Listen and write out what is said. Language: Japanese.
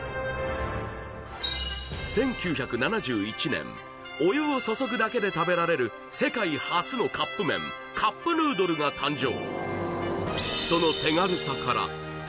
１９７１年お湯を注ぐだけで食べられる世界初のカップ麺カップヌードルが誕生